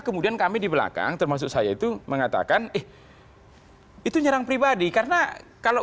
kemudian kami di belakang termasuk saya itu mengatakan eh itu nyerang pribadi karena kalau